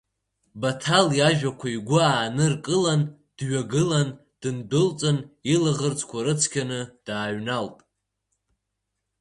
Баҭал иажәақәа игәы ааныркылан, дҩагылан, дындәылҵын илаӷырӡқәа рыцқьаны дааҩналт.